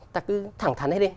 ta cứ thẳng thắn hết đi